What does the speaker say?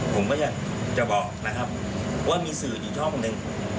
ผมก็อยากจะบอกนะครับว่ามีสื่ออีกช่องหนึ่ง